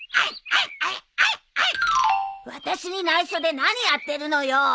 私に内緒で何やってるのよ。